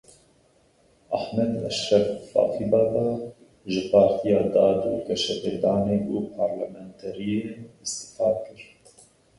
Ahmet Eşref Fakibaba ji Partiya Dad û Geşepêdanê û parlamenteriyê îstifa kir.